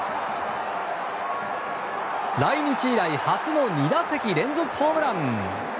来日以降初の２打席連続ホームラン！